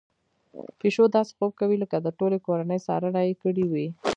پيشو داسې خوب کوي لکه د ټولې کورنۍ څارنه يې کړې وي.